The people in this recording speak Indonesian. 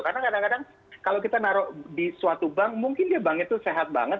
karena kadang kadang kalau kita menaruh di suatu bank mungkin bank itu sehat banget